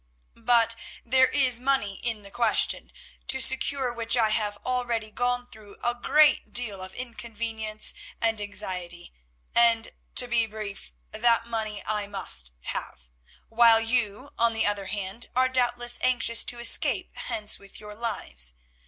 But there is money in the question, to secure which I have already gone through a great deal of inconvenience and anxiety, and, to be brief, that money I must have, while you, on the other hand are doubtless anxious to escape hence with your lives.